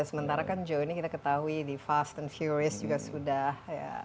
sementara kan joe ini kita ketahui di fast and furious juga sudah ya